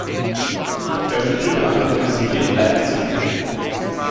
Er studierte an der Universität Leipzig.